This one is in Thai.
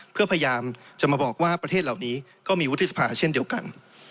เพื่อพยายามจะมาบอกว่าประเทศเหล่านี้ก็มีวุฒิสภาเช่นเดียวกัน